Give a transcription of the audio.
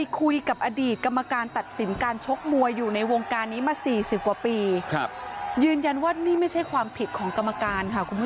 กรรมการค่ะคุณผู้ชมค่ะ